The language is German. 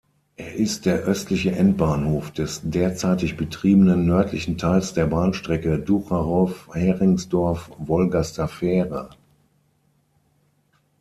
Er ist der östliche Endbahnhof des derzeitig betriebenen nördlichen Teils der Bahnstrecke Ducherow–Heringsdorf–Wolgaster Fähre.